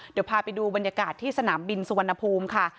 เดี๋ยวพาไปดูบรรยากาศที่สนามบินสุวรรณภูมิค่ะ